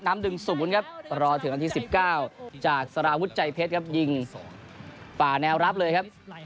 น้ำดึงสูงนะครับรอถึงนาที๑๙จากสาราวุฒิใจเพชรครับยิงป่าแนวรับเลยครับ